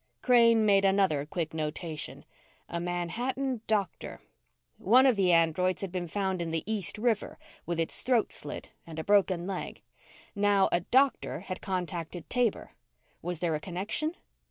Crane made another quick notation. A Manhattan doctor. One of the androids had been found in the East River with its throat slit and a broken leg. Now a doctor had contacted Taber. Was there a connection?